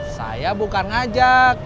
saya bukan ngajak